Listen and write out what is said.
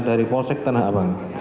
dari polsek tanah abang